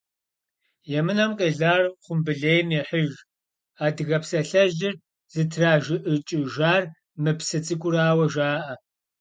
«Емынэм къелар хъумбылейм ехьыж» адыгэ псалъэжьыр зытражыӀыкӀыжар мы псы цӀыкӀурауэ жаӀэ.